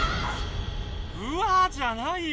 「うわぁ」じゃないよ